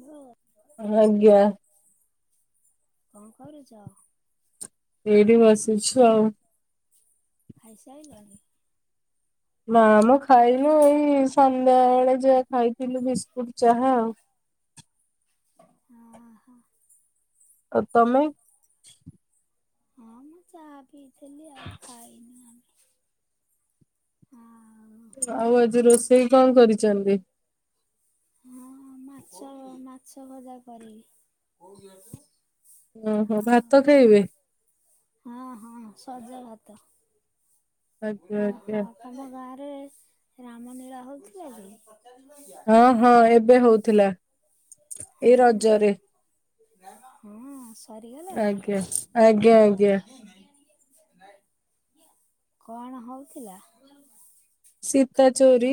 ଭ ମୁଁ ଆଜ୍ଞା। କଣ କରୁଚ? ଏଇଟି ବସିଛୁ ଆଉ ଖାଇସାଇଲଣି? ନାମ ଖାଇନୁ ଏଇ ସନ୍ଧ୍ୟା ଯାହା ଖାଇଥିଲୁ ବିସ୍କୁଟ୍ ଚାହା ଆଉ। ହଁ ଅହ ଆଉ ତମେ? ହଁ ମୁଁ ଚା ପିଇଥିଲି ଅଉ ଖାଇନି। ହଁ। ଆଉ ଆଜି ରୋଷେଇ କଣ କରିଛନ୍ତି? ହଁ ମାଛ ମାଛ ଭଜା କରିବି। ଓହୋ ଆଉ ଭାତ ଖାଇବେ। ହଁ ହଁ ସଜଭାତ। ଆଜ୍ଞା ଆଜ୍ଞା ଓହୋ ତମ ଗାଁରେ ରାମନୀଳା ହଉଥିଲା କି? ହଁ ହଁ ଏବେ ହଉଥିଲା ହଁ ଏଇ ରଜରେ। ହଁ। ସରିଗଲାଣି ଆଜ୍ଞା-ଆଜ୍ଞା-ଆଜ୍ଞା। କଣ ହଉଥିଲା? ସୀତା ଚୋରୀ,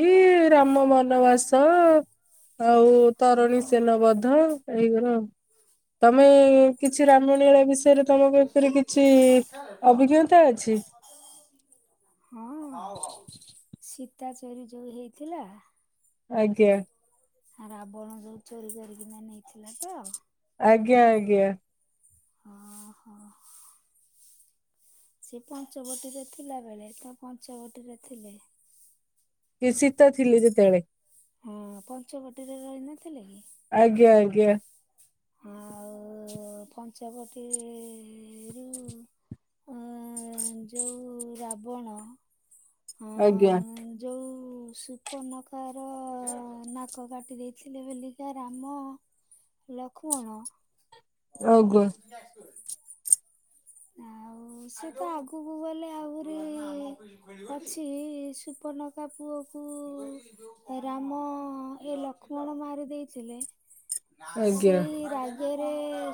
ରାମ ବନବାସ ଆଉ ତରଣୀ ହଁ ସେନ ବଧ ଏଇଗୁରା ଅଉ। ତମେ କିଛି ରାମନୀଳା ବିଷୟରେ ତମ ଭିତରେ କିଛି ଅଭିଜ୍ଞତା ଅଛି। ହଁ ସୀତା ଚୋରି ଯୋଉ ହେଇଥିଲା। ଆଜ୍ଞା। ରାବଣ ଯୋଉ ଚୋରି କରିକି ନେଇଥିଲା ତ। ଆଜ୍ଞା-ଆଜ୍ଞା। ହଁ-ହଁ। ସେ ପଞ୍ଚ ବଟିରେ ଥିଲା ବେଳେ ତା ପଞ୍ଚ ବଟିରେ ଥିଲେ। କିଶିତ ଥିଲେ ଯେତେବେଳେ। ହଁ ପଞ୍ଚବଟୀରେ ରହିନଥିଲେ। ଆଜ୍ଞା-ଆଜ୍ଞା। ଆଉ ପଞ୍ଚବଟୀ ରୁ ଯେଉଁ ରାବଣ ଆଜ୍ଞା। ସୁଫନକାର ନାକ କାଟି ଦେଇଥିଲେ ବୋଲିକା ରାମ ଲକ୍ଷ୍ମଣ ଆଜ୍ଞା ହ ସେ ତ ଆଗକୁ ଗଲେ ଆହୁରି ଅଛି ସୁପନକା ପୁଅ କୁ ରାମ ଏ ଲକ୍ଷ୍ମଣ ମାରି ଦେଇଥିଲେ। ଆଜ୍ଞା ଆଜ୍ଞା ସେଇ ରାଗରେ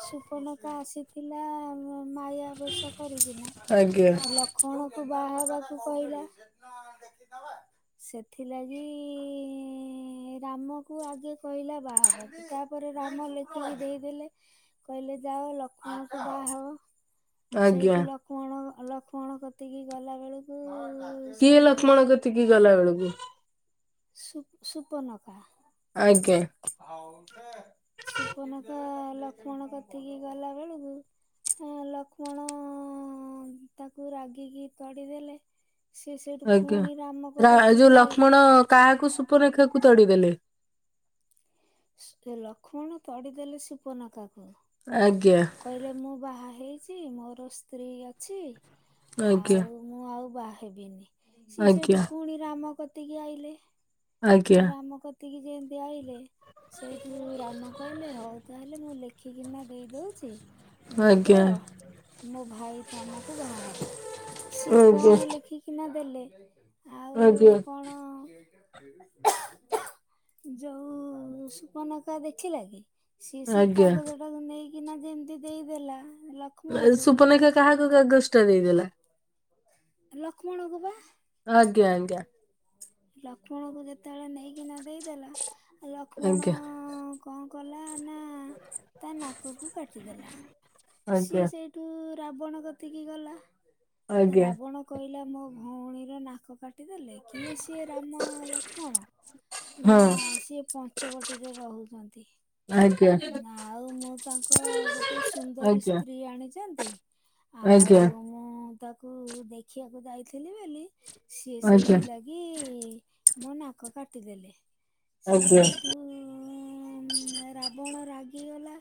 ସୁପନକା ଆସିଥିଲା ମାୟା ବେଶ କରିକିନା ଆଜ୍ଞା ଲକ୍ଷ୍ମଣ କୁ ବାହା ହେବାକୁ କହିଲା। ସେଥିଲାଗି ରାମକୁ ଆଗେ କହିଲା ବାହା ହେବାକୁ ତାପରେ ରାମ ଲେଖନୀ ଦେଇଦେଲେ କହିଲେ ଯାଅ ଲକ୍ଷ୍ମଣଙ୍କୁ ବାହା ହବ। ଆଜ୍ଞା ସେଇଠୁ ଲକ୍ଷ୍ମଣ ଲକ୍ଷ୍ମଣ କତିକି ଗଲା ବେଳକୁ କିଏ ସେଇଠୁ ଲକ୍ଷ୍ମଣ କତିକି ଗଲା ବେଳକୁ ସୁ ସୁପନକା। ଆଜ୍ଞା ସୁପନକା ଲକ୍ଷ୍ମଣ କତିକି ଗଲା ବେଳକୁ ଲକ୍ଷ୍ମଣ ତାକୁ ରାଗିକି ତଡ଼ିଦେଲେ। ସେ ସେଇଠୁ ପୁଣି ରାମଙ୍କ ଆଜ୍ଞା କତିକି ଯୋଉ ଆଇ ଲକ୍ଷ୍ମଣ କାହାକୁ ସୁପନେଖାକୁ ତଡିଦେଲେ? ଲକ୍ଷ୍ମଣ ତଡିଦେଲେ ସୁପନଖାକୁ। ଆଜ୍ଞା କହିଲେ ମୁଁ ବାହା ହେଇଛି ମୋର ସ୍ତ୍ରୀ ଅଛି। ଆଜ୍ଞା। ଆଉ ମୁଁ ଆଉ ବାହା ହେବିନି ସିଏ ସେଇଠୁ ଆଜ୍ଞା ପୁଣି ରାମ କତିକି ଆଇଲେ। ଆଜ୍ଞା। ଏତିକି ଯେମିତି ଆଇିଲେ ସେଇଠୁ ରାମ କହିଲେ ହଉ ତାହେଲେ ମୁଁ ଲେଖିକିନା ଦେଇଦଉ ଆଜ୍ଞା ନେଇଯାଅ ମୋ ଭାଇ ତମକୁ ବାହା ହବ। ସିଏ କଣ ଆଜ୍ଞା ଲେଖିକିନା ଦେଲେ ଆଉ ଆଜ୍ଞା। କଣ [unintelligible] ଯୋଉ ସୁପନକା ଦେଖିଲା କି ସିଏ ସେଇ ଆଜ୍ଞା କାଗଜ ଟାକୁ ନେଇକିନା ଯେମିତି ଦେଇଦେଲା। ଲକ୍ଷ୍ମଣକୁ ସୁପନକା କାହାକୁ କଗାଜଟା ଦେଇଦେଲା? ଲକ୍ଷ୍ମଣକୁ ବା ଆଜ୍ଞା ଆଜ୍ଞା। ଲକ୍ଷ୍ମଣଙ୍କୁ ଯେତେବେଳେ ନେଇକିନା ଦେଇଦେଲା ଲକ୍ଷ୍ମଣ ଆଜ୍ଞା କଣ କଲା ନା ତା ନାକକୁ କାଟିଦେଲା ସିଏ ଆଜ୍ଞା ସେଇଠୁ ରାବଣ କତିକି ଗଲା ଆଜ୍ଞା ରାବଣ କହି ପିଲା ମୋ ଭଉଣୀର ନାକ କାଟିଦେଲେ କିଏ ସିଏ ରାମ ଲକ୍ଷ୍ମଣ ନା ହଁ ସିଏ ପଞ୍ଚବଟିୀରେ ରହୁଛନ୍ତି। ଆଜ୍ଞା ନା ଆଉ ମୁଁ ତାଙ୍କ ଗୋଟେ ସୁନ୍ଦରୀ ଆଜ୍ଞା ସ୍ତ୍ରୀ ଆଣିଚ ଆଜ୍ଞା। କୁ ଦେଖିବାକୁ ଯାଇଥିଲି ବେଲି ସିଏ ଆଜ୍ଞା ସେଇଥିଲା ଲି ମୋ ନାକ କାଟିଦଲେ ସିଏ ଆଜ୍ଞା ସେଇଠୁ ଉଁ ରାବଣ ରାଗିଗଲା।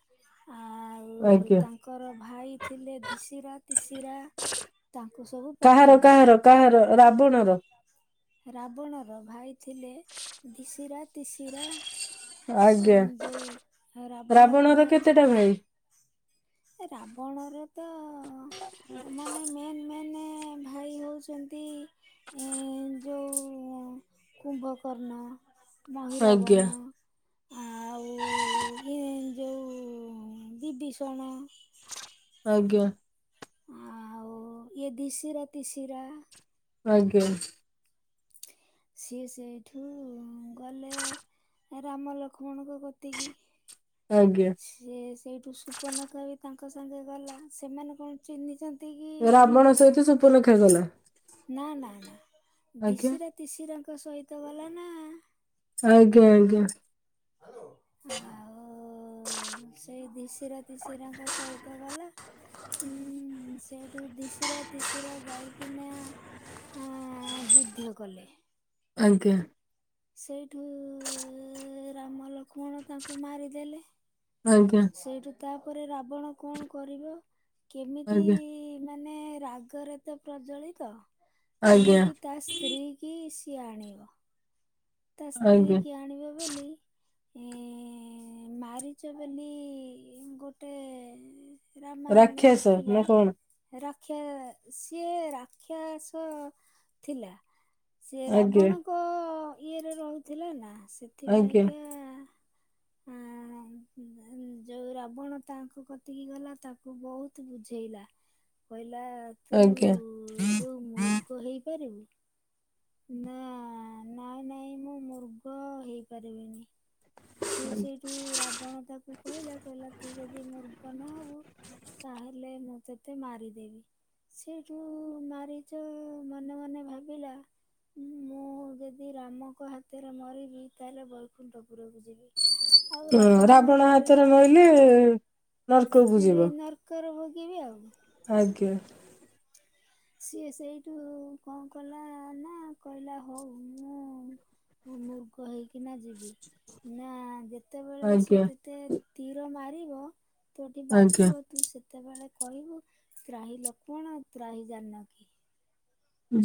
ଆଉ ଆଜ୍ଞା ତାଙ୍କର ଭାଇ ଥିଲେ ଦିଶରା ତିଶରା କାହାର କାହାର କାହାର ରାବଣର? ରାବଣର ଭାଇ ଥିଲେ ଦିଶରା ତିଶରା ଆଜ୍ଞା ରାବଣର କେତେଟା ଭାଇ? ଏ ରାବଣର ତ ମାନେ ମେନ୍ ମେନ୍ ଭାଇ ହେଉଚନ୍ତି ଇଁ ଯୋଉ ଉଁ କୁମ୍ଭକର୍ଣ୍ଣ ଆଜ୍ଞା ମହିରାବଣ ଆଉ ଏଇ ଯୋଉ ବିିବିଷଣ ଆଜ୍ଞା। ଆଉ ଇଏ ଦିଶରା ତିଶରା ଆଜ୍ଞା। ସିଏ ସେଇଠୁ ଗଲେ ରାମ ଲକ୍ଷ୍ମଣଙ୍କ କତିକି ଆଜ୍ଞା ସିଏ ସେଇଠୁ ସୁପ୍ରନେଖା ବି ତାଙ୍କ ସାଙ୍ଗେ ଗଲା ସେମାନେ କଣ ଚିହ୍ନିଚନ୍ତି ରାବଣ ସହିତ ସୁପନେଖା ଗଲା ନା ନା ନା ଆଜ୍ଞା ଦିଶରା ତିଶରାଙ୍କ ସହିତ ଗଲା ନା। ଆଜ୍ଞା ଆଜ୍ଞା। ଆଉ ସେଇ ଦିଶିରା ତିଶିରାଙ୍କ ସହିତ ଗଲା ଉଁ ଉଁ ସେଇଠୁ ଦଶରା ତିଶରା ଯାଇକିନା ଆଁ ଯୁଦ୍ଧ କଲେ ଆଜ୍ଞା। ସେଇଠୁ ଉଁ ରାମ ଲକ୍ଷ୍ମଣ ତାଙ୍କୁ ମାରିଦେଲେ ଆଜ୍ଞା। ସେଇଠୁ ତାପରେ ରାବଣ କଣ କରିବ କେମିତି ଆଜ୍ଞା ମାନେ ରାଗରେ ତ ପ୍ରଜଲିତ ଆଜ୍ଞା କେମିତି କା ସ୍ତ୍ରୀ କି ଆଣିବ ତା ସ୍ତ୍ରୀ ଆଜ୍ଞା କି ଆଣିବା ବଲି ଏଁ ମାରିଚ ବୋଲି ଗୋଟେ ରାମାୟଣରେ ରାକ୍ଷସ ଥିଲା ନା କଣ ରା କ୍ଷା ସିଏ ରାକ୍ଷସ ଥିଲା। ସିଏ ଆଜ୍ଞା ରାବଣଙ୍କ ଇଏରେ ରହୁଥିଲା ନା ଆଜ୍ଞା ସେଥିପାଇଁକା ଆଁ ହୁଁ। ଯୋଉ ରାବଣ ତାଙ୍କୁ କତିକି ଗଲା ତାକୁ ବହୁତ ବୁଝେଇଲା କହିଲା ହେଲା ତୁ ଆଜ୍ଞା ଯୋଉ ମୃଗ ହେଇପାରିବୁ? ନା ନାଇଁ ନାଇଁ ମୁଁ ମୁୃଗ ହେଇପାରିବିନି। ସିଏ ସେଇଠୁ ରାବଣ ତାକୁ କହିଲା କହିଲା ତୁ ଯଦି ମୃର୍ଗ ନ ହବୁ ତାହେଲେ ମୁଁ ତତେ ମାରିଦେବି। ସେଠୁ ମାରିଛ ମନେ ମନେ ଭାବିଲା ମୁଁ ଯଦି ରାମଙ୍କ ହାତରେ ମରିବି ତାହେଲେ ବୈକୁଣ୍ଠ ପୂରକୁ ହଁ ରାବଣ ହାତରେ ମଲେ ମରିଲେ ନର୍କକୁ ଯିବ। ଯିବି ଆଉ, ଆଜ୍ଞା, ସିଏ ସେଇଠୁ କଣ କଲା ନା କହିଲା ହଉ ମୁଁ ମୂର୍ଗ ହେଇକି ନା ଯିବି ନା ଯେ କେତେବେଳେ ଆଜ୍ଞା ସିଏ ତତେ ତୀର ମାରି ତୋଠି ଆଜ୍ଞା ବାଜିବ ତୁ ସେତେବେଳେ କହିବୁ ତ୍ରାହି ଲକ୍ଷ୍ମଣ ତ୍ରାହି ଜାନକି,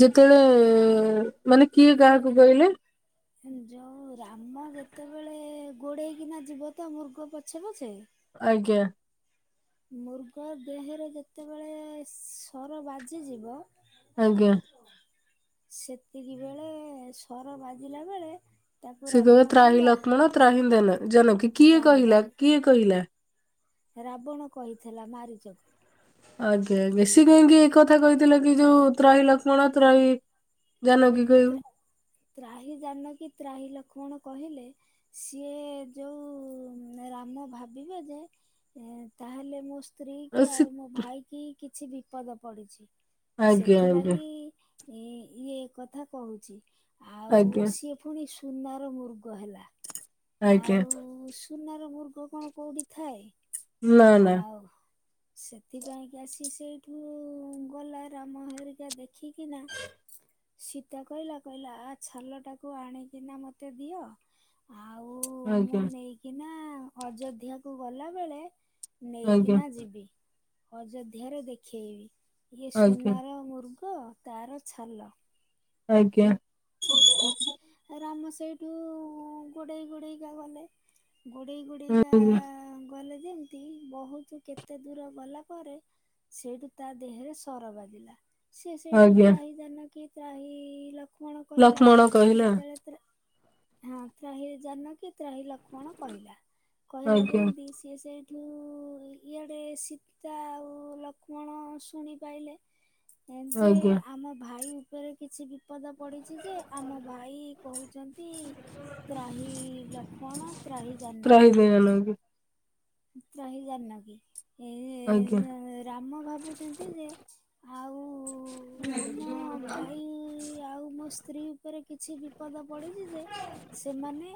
ଯେତେବେଳେ ମାନେ କିଏ ହେଲେ କାହାକୁ କହିଲେେ? ଯୋଉ ରାମ ଯେତେବେଳେ ଗୋଡେଇକିନା ଯିବ ତ ମୃଗ ପଛେ ପଛେ ଆଜ୍ଞା, ମୃଗ ଦେହରେ ଯେତେବେଳେ ଶର ବାଜିଯିବ, ଆଜ୍ଞା, ସେତିକି ବେଳେ ଶର ବାଜିଲା ବେଳେ ତାକୁ ସେକହିବ ରାବଣ ତ୍ରାହି କହିଲା ଲକ୍ଷ୍ମଣ ତ୍ରାହିନ୍ଦନ ଜାନକି କିଏ ଜାନ୍ କହିଲା ଜାନ୍ କିଏ କହିଲା? ରାବଣ କହିଥିଲା ମାରିଚକୁ। ଆଜ୍ଞା ବେଶୀ କାହିଁକି ଏକଥା କହିଥିଲେ କି ଯୋଉ ତ୍ରାହି ଲକ୍ଷ୍ମଣ ତ୍ରାହି। ଜାନକୀ କହିବୁ ତ୍ରାହି ଜାନକି ତ୍ରାହି ଲକ୍ଷ୍ମଣ କହିଲେ ସିଏ ଯୋଉ ରାମ ଭାବିବେ ଯେ ଏ ତାହେଲେ ମୁଁ ସ୍ତ୍ରୀ କି ଆଉ ମୋ ଭାଇ କି କିଛି ବିପଦ ପଡିଛି ଆଜ୍ଞା ଆଜ୍ଞା ସେଥିଲାଗି ଏ ଇଏ କଥା କହୁଛି ଆଉ ଆଜ୍ଞା ସିଏ ଫୁଣି ସୁନାର ମୃଗ ହେଲା। ଆଜ୍ଞା, ଆଉ ସୁନାର ମୃଗ କଣ କୋଉଠି ଥାଏ। ନା ନା, ସେଥିପାଇଁ କି ଆସି ସେଇଠୁ ଗଲା ରାମ ହେରିକା ଦେଖିକିନା ହଁ [inaudible] ସୀତା କହିଲା କହିଲା ଆ ଛାଲ ଟାକୁ ଆଣିକିନା ମତେ ଦିଅ ଆଉ ମୁଁ ଆଜ୍ଞା ନେଇକିନା ଅଯୋଧ୍ୟାକୁ ଗଲାବେଳେ ଆଜ୍ଞା ନେଇକିନା ଯିବି ଅଯୋଧ୍ୟାରେ ଦେଖେଇବି ଇଏ ଆଜ୍ଞା ସୁନାର ମୁର୍ଗ କ ତାର ଛାଲ। ଆଜ୍ଞା, ରାମ ସେଇଠୁ ଗୋଡ଼େଇ ଗୋଡ଼େଇକା ଗଲେ। ଗୋଡ଼େଇ ଗୋଡେଇକା ଗଲେ। ଯେମିତି ହୁଁ ବହୁତ କେତେ ଦୂର ଗଲା ପରେ ସେଇଠୁ ତା ଦେହରେ ସର ବାଜିଲା। ସିଏ ସେଇଠୁ ଆଜ୍ଞା ତ୍ରାହି ଜାନକି ତ୍ରାହି ଲକ ଲକ୍ଷ୍ମଣ କହିଲା। ହଁ ତ୍ରାହି ଜାନକୀ ତ୍ରାହି ଲକ୍ଷ୍ମଣ କହିଲା କହିଲା ଆଜ୍ଞା ଯେମତି ସିଏ ସେ କି ଇଆଡ଼େ ସୀତା ଆଉ ଲକ୍ଷ୍ମଣ ଶୁଣି ପାଇଲେ। ସେ ଆଜ୍ଞା ଆମ ଭାଇଙ୍କର କିଛି ବିପଦ ପଡିଛି ଯେ ଆମ ଭାଇ କହୁଛନ୍ତି ତ୍ରାହୀ ଲକ୍ଷ୍ମଣ ତ୍ରାହୀ ଜାନକୀ ହଁ [inaudible] ତ୍ରାହି ଜାନକି। ଆଜ୍ଞା। ଏଁ ରାମ ଭାବୁଚନ୍ତି ଯେ ଆଉ ଆମ ଭାଇ ଆଉ ମୋ ସ୍ତ୍ରୀ ଉପରେ କିଛି ବିପଦ ପଡିଚି ଯେ ସେମାନେ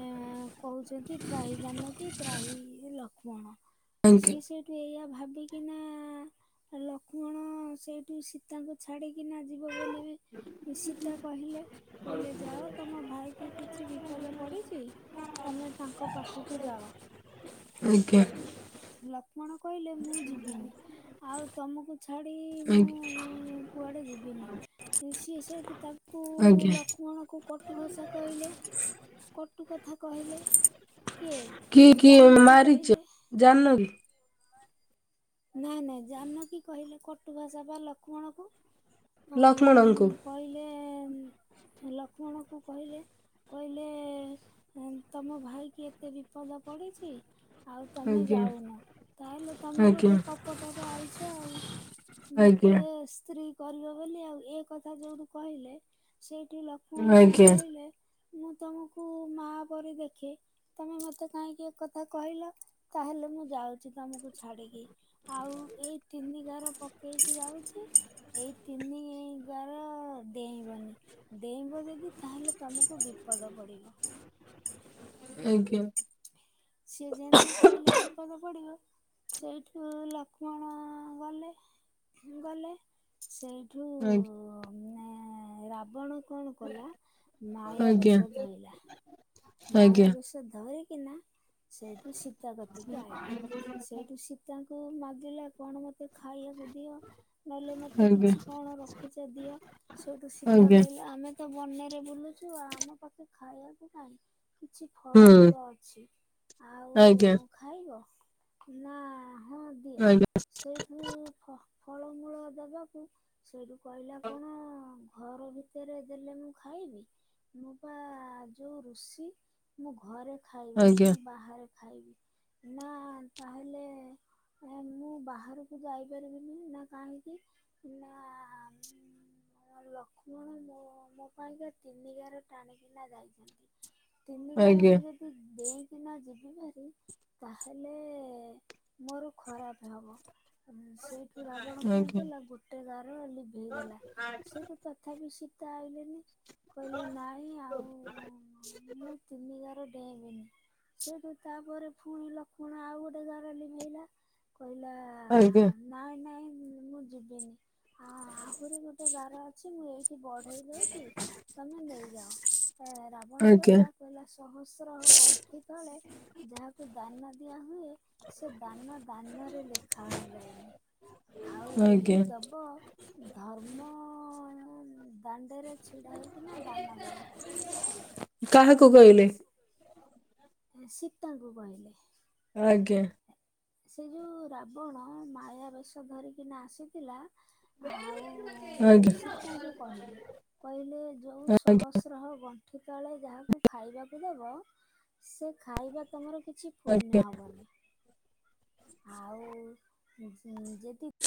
ଏଁ କହୁଚନ୍ତି ତ୍ରାହି ଜାନ କି ତ୍ରାହି ଲକ୍ଷ୍ମଣ ଆଜ୍ଞା ସିଏ ସେଇଠୁ ଏଇଆ ଭାବିକିନା ଲକ୍ଷ୍ମଣ ସେଇଠୁ ସୀତାଙ୍କୁ ଛାଡ଼ିକି ସୀତା କହିଲେ କହିଲେ ଯାଅ ତମ ଭାଇ କି କିଛି ବିପଦ ପଡିଚି ତମେ ତାଙ୍କ ପାଖକୁ ଯାଅ। ଆଜ୍ଞା। ଲକ୍ଷ୍ମଣ କହିଲେ ମୁଁ ଯିବିନି ଆଉ ତମକୁ ଛାଡି ଆଜ୍ଞା କୁଆଡ ଯିବିନି ସିଏ ସେଠୁ ତା ଆଜ୍ଞା। କଟୁ ଭାଷା କହିଲେ କଟୁ କଥା କହିଲେ। କିଏ? କି କିଏ ଜାନକୀ ମାରିଛ କହିଲେ ଜାନକି? ନାଇଁ ନାଇଁ ଜାନକିି କହିଲେ କଟୁଭାଷା ବା ଲକ୍ଷ୍ମଣକୁ? ଅଁ ଲକ୍ଷ୍ମଣଙ୍କୁ ଲକ୍ଷ୍ମଣଙ୍କୁ କହିଲେ କହିଲେ ତମ ଭାଇ କି ଏତେ ବିପଦ ପଡିଛି। ଆଉ ତମେ ଆଜ୍ଞା ଯାଉନ ତାହେଲେ ତମେ ଆଜ୍ଞା ବୋଧେ କୋକଟାରେ ଆଇଛ ଆଉ ଆଜ୍ଞା ମତେସ ସ୍ତ୍ରୀ କରିବ ବୋଲି ଆଉ ଏ କଥା ଯୋଉଠୁ କହିଲେ ସେଇ ଆଜ୍ଞା। ମୁଁ ତୁମକୁ ମାଆ ପରି ଦେଖେ ତମେ ମତେ କାହିଁକି ଏକଥା କହିଲ ତାହେଲେ ମୁଁ ଯାଉଛି ତମକୁ ଛାଡିକି ଆଉ ଏଇ ତିନି ଘାର ପକେଇକି ଯାଉଛି। ଏଇ ତିନି ଗାର ଡେଇଁବନି ଦେଇଁବନି ଦି ତାହେଲେ ତମକୁ ବିପଦ ପଡିବ। ଆଜ୍ଞା। ସିଏ ଯେମିତି କହିଲେ ବିପଦ ପଡିବ। ସେଇଠୁ ଲକ୍ଷ୍ମଣ ଗଲେ ଗଲେ ସେଇଠୁ ମାନେ ରାବଣ କଣ କଲା ମାୟା ଆଜ୍ଞା ବେଶ ଧଇଲା ମାୟା ଆଜ୍ଞା ବେଶ ଧରି କି ନା ସେଇଠୁ ସୀତା କତିକି ଆଇଲା ସେଇଠୁ ସୀତା ଙ୍କୁ ମାଗିଲା କଣ ମତେ ମୋତେ ଖାଇବାକୁ ଦିଅ ନହେଲେ ଆଜ୍ଞା ମୋତେ ଆଜ୍ଞା କିଛି କଣ ରଖିଚ ଦିଅ ସେଇଠୁ ସୀତା ଆଜ୍ଞା କହିଲେ ଆମେ ତ ବନରେ ବୁଲୁଚୁ ଆମ ପାଖେ ଖାଇବାକୁ କାହିଁ କିଛି ହୁଁ ଫଳମୂଳ ଅଛି ଆଉ ଆଜ୍ଞା ଖାଇବ ନା ହଁ ଦିଅ ଆଜ୍ଞା। ସେଇଠୁ ଫ ଫଳମୂଳ ଦବାକୁ ସେଇଠୁ କହିଲା କଣ ଘର ଭିତରେ ଦେଲେ ମୁଁ ଖାଇବି ମୁଁ ପା ଯୋଉ ଋଷି ଷି ମୁଁ ଘରେ ଖାଇବିନି ଆଜ୍ଞା ମୁଁ ବାହାରେ ଖାଇବି। ନା ତାହଲେ ଏ ମୁଁ ବାହାରକୁ ଯାଇପାରିବିନି ନା କାହିଁକି ନା ଲକ୍ଷ୍ମଣ ମୋ ମୋ ପାଇଁକା ତିନିିଗାର ଟାଣିକିନା ଯାଇଚନ୍ତି। ଆଜ୍ଞା। କିନା ଯିବି ଭାରି ତାହେଲେ ମୋର ଖରାପ ହେବ। ଅଁ ସେଇଠୁ ରାବଣ କଣ କଲା ଗୋଟେ ଗାର ଲିଭେଇଦେଲା ସେଇଠୁ ତଥାପି ସି ତା ଆଇିଲେନି କହିଲେ ନାଇଁ ଆଉ ମୁଁ ତିନିିଗାର ସେୟା ବି ସେଉଠୁ ତାପରେ ପୁଣି ଲକ୍ଷ୍ମଣ ଆଉ ଗୋଟେ ଗାର ଲିଭେଇଲା ଆଜ୍ଞା। ହୁଁ ମୁଁ ଯିବିନି ଆ-ଆ ଆହୁରି ଗୋଟେ ଗାର ଅଛି ମୁଁ ଏଇ ଠି ବଢେଇ ଦଉଚି ତମେ ନେଇଯାଅ। ଏ ରାବଣ ଆଜ୍ଞା ଆଜ୍ଞା କହିଲା କହିଲା ସହସ୍ର ଗଣ୍ଠି ତଳେ ଯାହାକୁ ଦାନା ଦିଆ ହୁଏ ସେ ଦାନ ଦାନରେ ଲେଖା ହ ଯାଏନି। ଆଉ ଯେଦି ଦବ ଧର୍ମ ଅଂ ଦାଣ୍ଡେରେ ଛିଡ଼ା ହୋଇକିନା ଦାନ ଦବ। କାହାକୁ କହିଲେ? ସୀତାଙ୍କୁ କହିଲେ। ଆଜ୍ଞା। ସେ ଯୋଉ ରାବଣ ମାୟା ବେଶ ଧରିକିନା ଆସିଥିଲା ଆଉ ଅଁ ଆଜ୍ଞା ସୀତାଙ୍କୁ କହିଲେ, କହିଲେ ଯଉଁ ଆଜ୍ଞା ସହସ୍ରହବ ସେତେବେଳେ ଯାହାକୁ ଖାଇବାକୁ ଦବ ସେ ଖାଇବା ତମର କିଛି ଆଜ୍ଞା ପୂନ୍ୟ ହବନି। ଆଉ ଯେ-ଯେଦିତ୍